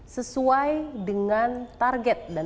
sesuai dengan target dan